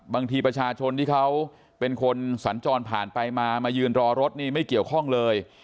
บางทีประชาชนที่เขาเป็นคนสัญจรผ่านไปมามายืนรอรถนี่ไม่เกี่ยวข้องเลย